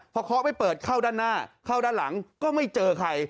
พอเคาะไม่เปิดเข้าด้านหน้าเข้าด้านหลังก็ไม่เจอใคร